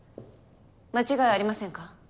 間違いありませんか？